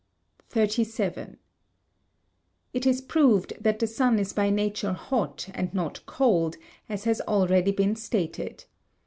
37. It is proved that the sun is by nature hot and not cold, as has already been stated.